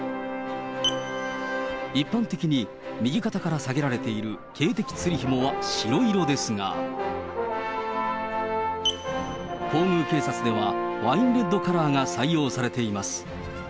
一般的に右肩からさげられている警笛つりひもは白色ですが、皇宮警察ではワインレッドカラーが採用されています。